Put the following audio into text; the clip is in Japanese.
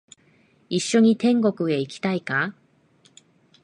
一緒に天国へ行きたいか？